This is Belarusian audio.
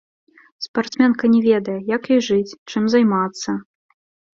Спартсменка не ведае, як ёй жыць, чым займацца.